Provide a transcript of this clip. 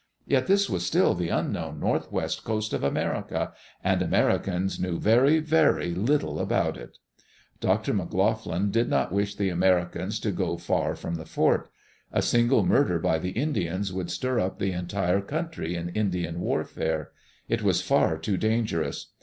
Yet this was still the unknown " Northwest Coast of America," and Americans knew very, very little about it. Dr. McLoughlin did not wish the Americans to go far from the fort. A single murder by the Indians would stir up the entire country in Indian warfare. It was far too dangerous.